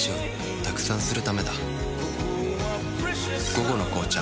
「午後の紅茶」